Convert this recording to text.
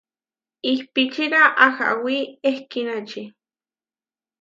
Ihpíčira ahawí ehkínači.